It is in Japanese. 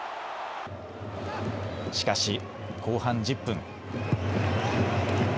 しかし後半１０分。